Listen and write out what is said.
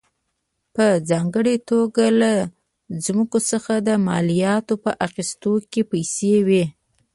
په ځانګړې توګه له ځمکو څخه د مالیاتو په اخیستو کې پیسې وې.